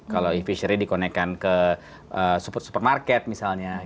kalau e fishery dikonekkan ke supermarket misalnya